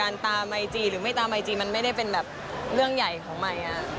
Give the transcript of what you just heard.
ตามไอจีหรือไม่ตามไอจีมันไม่ได้เป็นแบบเรื่องใหญ่ของใหม่